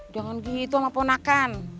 jangan gitu mbak ponakan